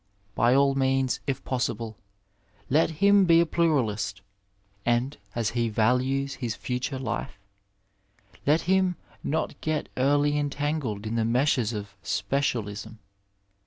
By all means, if possible, let him be a pluralist, and — as he values his future life — ^let him not get early entangled in the meshes of specialism.